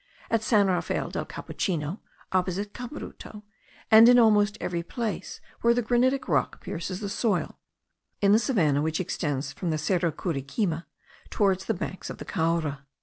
at San Rafael del Capuchino, opposite Cabruta, and in almost every place where the granitic rock pierces the soil, in the savannah which extends from the Cerro Curiquima towards the banks of the Caura.